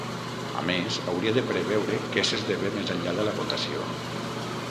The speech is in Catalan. A més, hauria de preveure què s’esdevé més enllà de la votació.